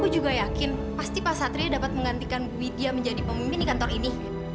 aku juga yakin pasti pak satria dapat menggantikan widya menjadi pemimpin di kantor ini